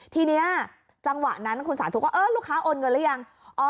ทีนี้จังหวะนั้นคุณสาธุก็เออลูกค้าโอนเงินหรือยัง